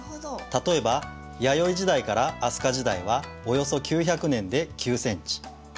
例えば弥生時代から飛鳥時代はおよそ９００年で９センチ。